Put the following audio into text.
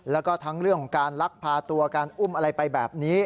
แล้วก็ทั้งเรื่องของการลักพาตัวการอุ้มอะไรไปแบบนี้